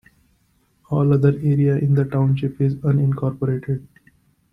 All other area in the township is unincorporated.